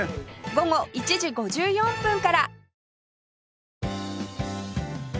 午後１時５４分から